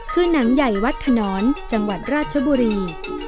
คือหนังใหญ่วัดขนอนจังหวัดราชบุรี